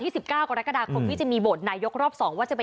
๒๙ก็และกระดาษคลุมที่จะมีโบสถ์นายกรอบสองว่าจะเป็น